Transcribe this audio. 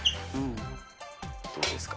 どうですか。